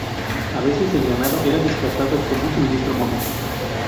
A veces el ganado era desplazado como un suministro móvil.